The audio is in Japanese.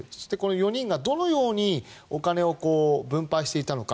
４人がどのようにお金を分配していたのか。